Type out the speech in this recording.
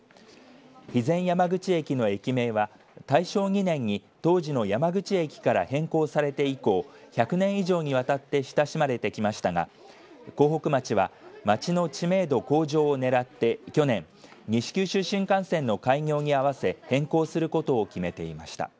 肥前山口駅の駅名は大正２年に当時の山口駅から変更されて以降１００年以上にわたって親しまれてきましたが江北町は町の知名度向上をねらって去年西九州新幹線の開業に合わせ変更することを決めていました。